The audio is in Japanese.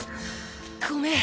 ごめん！